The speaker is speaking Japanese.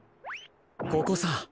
ここさ。